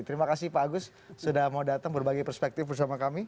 terima kasih pak agus sudah mau datang berbagi perspektif bersama kami